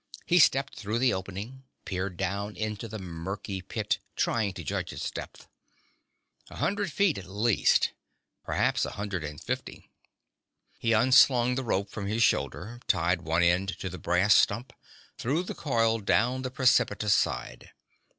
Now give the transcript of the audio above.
He stepped through the opening, peered down into the murky pit, trying to judge its depth. A hundred feet at least. Perhaps a hundred and fifty. He unslung the rope from his shoulder, tied one end to the brass stump, threw the coil down the precipitous side.